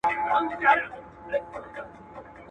چي بې عزتو را سرتوري کړلې.